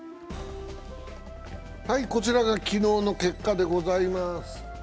こちらが昨日の結果でございます。